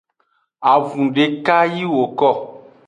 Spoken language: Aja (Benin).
Avun deka yi woko.